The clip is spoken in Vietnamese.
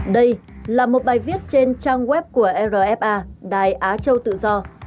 đây là một bài viết trên trang web của rfa đài á châu tự do